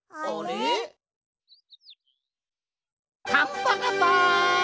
パンパカパン！